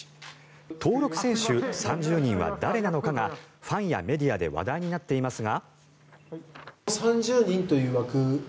登録選手３０人は誰なのかがファンやメディアで話題になっていますが。